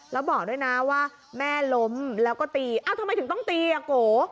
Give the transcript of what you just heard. แล้วบอกด้วยนะว่าแม่ล้มแล้วก็ตีเอ้าทำไมถึงต้องตีอ่ะโก